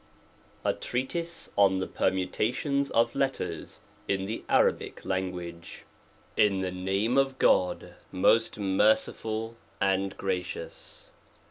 A TREATISE ON THE PERMUTATIONS OF LETTERS IN THE ARABIC LANGUAGE. In the name of Gon, most merciful and gracious.